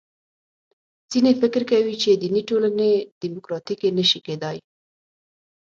ځینې فکر کوي چې دیني ټولنې دیموکراتیکې نه شي کېدای.